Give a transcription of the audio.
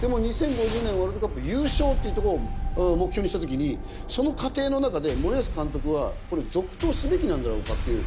でも「２０５０年ワールドカップ優勝」というところを目標にしたときにその過程の中で森保監督は続投すべきなんだろうかっていう。